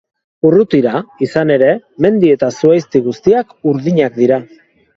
Urrutira, izan ere, mendi eta zuhaizti guztiak urdinak dira.